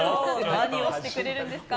何をしてくれるんですか？